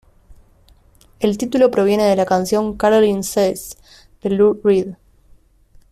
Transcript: El título proviene de la canción "Caroline Says" de Lou Reed.